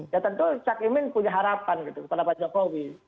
ya tentu cak imin punya harapan gitu kepada pak jokowi